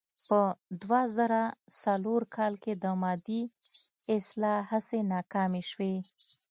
په دوه زره څلور کال کې د مادې اصلاح هڅې ناکامې شوې.